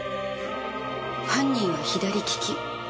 犯人は左利き。